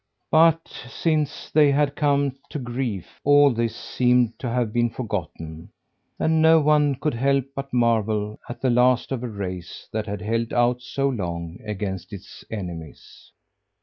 But since they had come to grief, all this seemed to have been forgotten; and no one could help but marvel at the last of a race that had held out so long against its enemies.